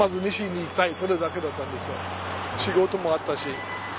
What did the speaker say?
仕事もあったし。